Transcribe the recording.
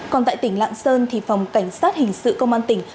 còn tại tỉnh lạng sơn thì phòng cảnh sát hình sự công an tỉnh